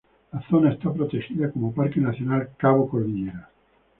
La zona está protegida como Parque Nacional Cabo Cordillera.